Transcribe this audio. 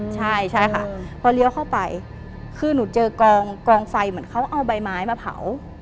ใช่ใช่ค่ะพอเลี้ยวเข้าไปคือหนูเจอกองไฟเหมือนเขาเอาใบไม้มาเผา